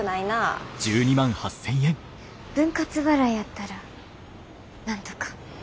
分割払いやったらなんとか。